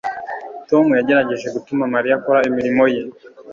tom yagerageje gutuma mariya akora imirimo ye